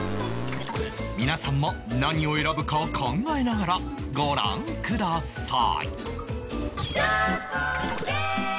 皆さんも何を選ぶかを考えながらご覧ください